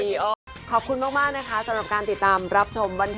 อยู่กันครบ๓คนนี้แหละค่ะ